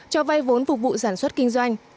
cho vay vốn phục vụ sản xuất kinh doanh